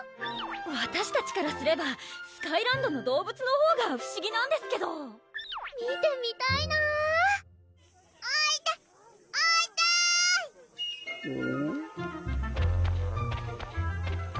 わたしたちからすればスカイランドの動物のほうが不思議なんですけど見てみたいなぁおいでおいでほ